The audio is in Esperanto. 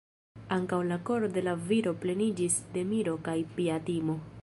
Ankaŭ la koro de la viro pleniĝis de miro kaj pia timo.